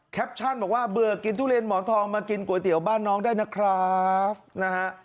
ชั่นบอกว่าเบื่อกินทุเรียนหมอนทองมากินก๋วยเตี๋ยวบ้านน้องได้นะครับนะฮะ